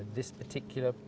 jadi ini adalah